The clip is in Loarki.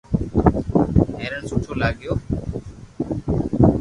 ھيرن سٺو لاگيو